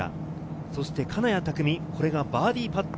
そして金谷拓実、これがバーディーパット。